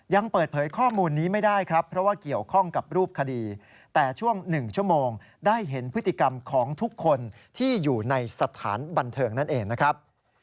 ยังเปิดเผยข้อมูลนี้ไม่ได้ครับเพราะว่าเกี่ยวข้องกับรูปคดีแต่ช่วง๑ชั่วโมงได้เห็นพฤติกรรมของทุกคนที่อยู่ในสถานบันเทิงนั่นเองนะครับ